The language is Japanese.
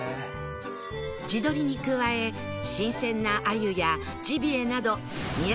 地鶏に加え新鮮な鮎やジビエなど